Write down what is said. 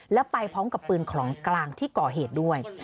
แล้วไปพร้อมกับปืนของกลางที่ก่อเหตุด้วย